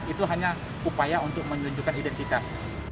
itu hanya upaya untuk menunjukkan identitas